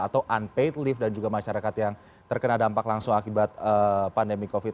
atau unpaid leave dan juga masyarakat yang terkena dampak langsung akibat pandemi covid sembilan